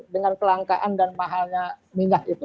dengan kelangkaan dan mahalnya minyak itu